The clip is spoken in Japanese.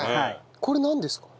これなんですか？